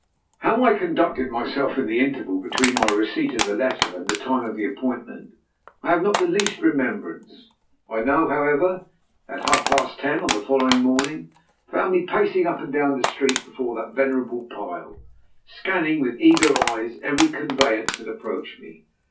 How I conducted myself in the interval between my receipt of the letter and the time of the appointment, I have not the least remembrance; I know, however, that half past ten, on the following morning, found me pacing up and down the street before that venerable pile, scanning with eager eyes every conveyance that approached me.